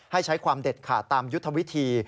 ให้ใช้ความเด็ดขาดตามยุทธวิธี